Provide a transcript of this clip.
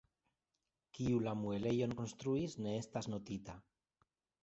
Kiu la muelejon konstruis ne estas notita.